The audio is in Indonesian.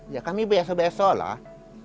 ya kami biasa biasalah